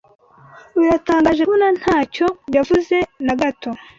Biratangaje kubona ntacyo yavuze na gato